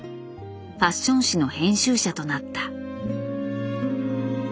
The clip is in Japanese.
ファッション誌の編集者となった。